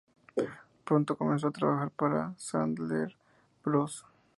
Pronto comenzó a trabajar para Sadler Bros.